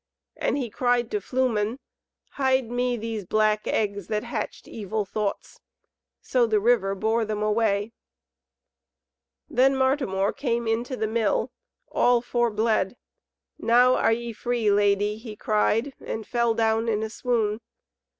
And he cried to Flumen, "Hide me these black eggs that hatched evil thoughts." So the river bore them away. Then Martimor came into the Mill, all for bled; "Now are ye free, lady," he cried, and fell down in a swoon.